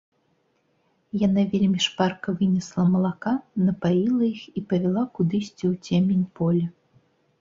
Яна вельмі шпарка вынесла малака, напаіла іх і павяла кудысьці ў цемень поля.